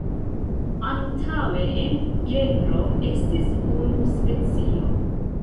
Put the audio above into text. Antaŭe en genro estis unu specio.